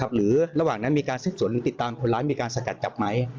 หรือระหว่างนั้นมีการสืบสวนหรือติดตามคนร้ายมีการสกัดจับไหม